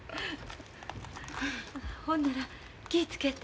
ほんなら気ぃ付けて。